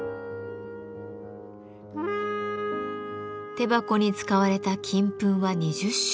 手箱に使われた金粉は２０種類。